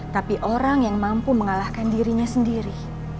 tapi orang yang mampu mengalahkan dirinya sendiri